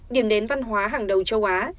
điểm đến văn hóa hàng đầu châu á